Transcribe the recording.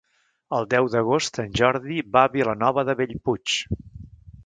El deu d'agost en Jordi va a Vilanova de Bellpuig.